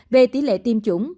về tỷ lệ tiêm chủng